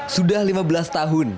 sudah lima belas tahun